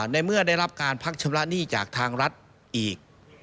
ในเมื่อได้รับการพักชำระหนี้จากทางรัฐอีก